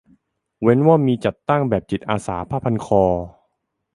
เว้นว่ามี "จัดตั้ง" แบบจิตอาสาผ้าพันคอ